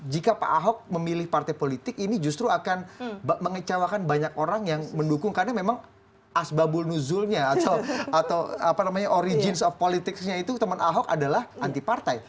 jika pak ahok memilih partai politik ini justru akan mengecewakan banyak orang yang mendukung karena memang asbabul nuzulnya atau apa namanya origins of politicsnya itu teman ahok adalah anti partai